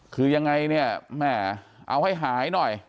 คือยังไงเนี่ยแหมเอาให้หายหน่อย